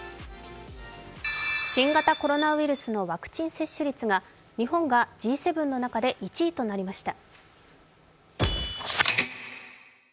新型コロナウイルスのワクチン接種率が日本がＧ７の中で１位になりました。